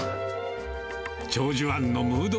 長寿庵のムード